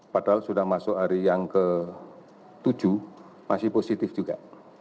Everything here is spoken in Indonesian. padahal sudah masuk hari yang ke tujuh masih positif juga